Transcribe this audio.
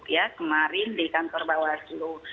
ya kemarin di kantor bawah dulu